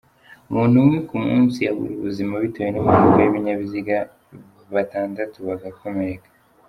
Umuntu umwe ku munsi abura ubuzima bitewe n’impanuka y’ibinyabiziga, batandatu bagakomereka